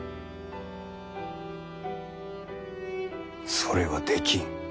それはできん。